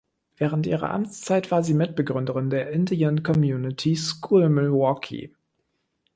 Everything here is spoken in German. Während ihrer Amtszeit war sie Mitbegründerin der Indian Community School in Milwaukee.